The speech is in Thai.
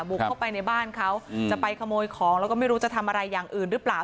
บุกเข้าไปในบ้านเขาจะไปขโมยของแล้วก็ไม่รู้จะทำอะไรอย่างอื่นหรือเปล่า